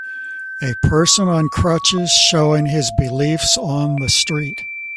A person on crutches showing his beliefs on the street